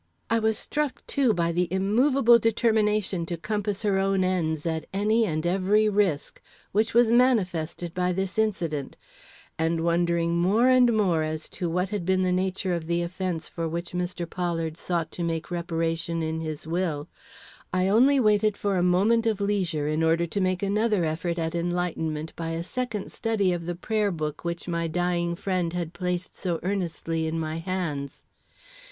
I was struck, too, by the immovable determination to compass her own ends at any and every risk, which was manifested by this incident; and, wondering more and more as to what had been the nature of the offence for which Mr. Pollard sought to make reparation in his will, I only waited for a moment of leisure in order to make another effort at enlightenment by a second study of the prayer book which my dying friend had placed so earnestly in my hands.